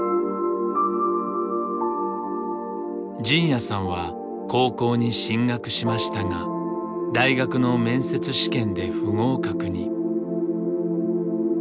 仁也さんは高校に進学しましたが大学の面接試験で不合格に。